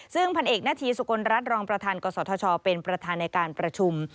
ซึ่งพันเอกนาธีสุกลรัฐรองประธานกศธชเป็นประธานในการประชุม